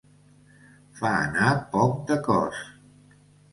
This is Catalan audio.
Fa anar poc de cos.